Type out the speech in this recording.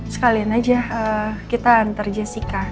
sekalian aja kita antar jessica